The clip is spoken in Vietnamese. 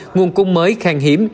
nguồn cung mới khang hiếm